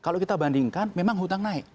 kalau kita bandingkan memang hutang naik